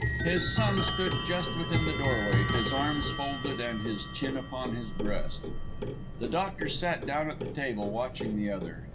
His son stood just within the doorway, his arms folded and his chin upon his breast. The doctor sat down at the table, watching the other.